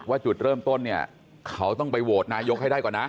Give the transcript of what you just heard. จุดเริ่มต้นเนี่ยเขาต้องไปโหวตนายกให้ได้ก่อนนะ